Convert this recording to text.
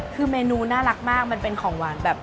คือเมนูน่ารักมากมันเป็นของหวานแบบ